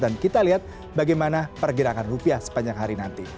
dan kita lihat bagaimana pergerakan rupiah sepanjang hari nanti